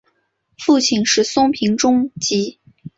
父亲是松平忠吉。